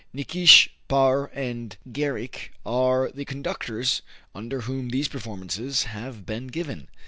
Nikisch, Paur, and Gericke are the conductors under whom these performances have been given.